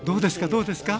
どうですか？